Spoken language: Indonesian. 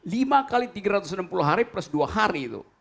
lima kali tiga ratus enam puluh hari plus dua hari itu